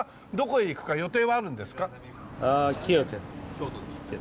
京都ですって。